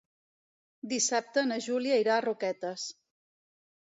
Dissabte na Júlia irà a Roquetes.